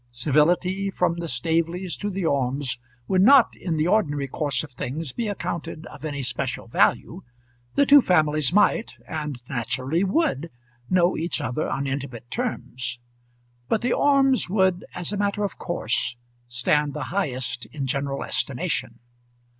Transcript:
Civility from the Staveleys to the Ormes would not, in the ordinary course of things, be accounted of any special value. The two families might, and naturally would, know each other on intimate terms. But the Ormes would as a matter of course stand the highest in general estimation.